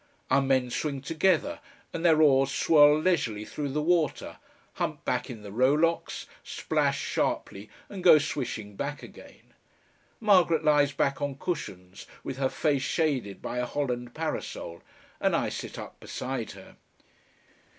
Our men swing together and their oars swirl leisurely through the water, hump back in the rowlocks, splash sharply and go swishing back again. Margaret lies back on cushions, with her face shaded by a holland parasol, and I sit up beside her.